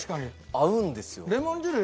合うんですよ。